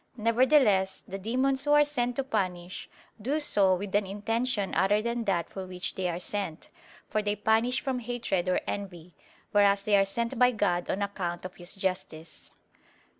Nevertheless the demons who are sent to punish, do so with an intention other than that for which they are sent; for they punish from hatred or envy; whereas they are sent by God on account of His justice.